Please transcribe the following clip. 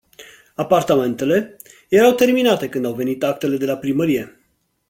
Apartamente, erau terminate când au venit actele de la primărie.